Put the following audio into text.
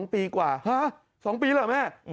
๒ปีกว่าฮะ๒ปีเหรอแม่